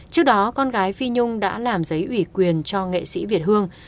trước đó con gái phi nhung đã làm giấy ủy quyền cho nghệ sĩ việt hương